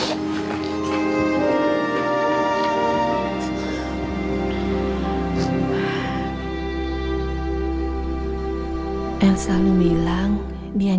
tunggu sebentar for britaindoa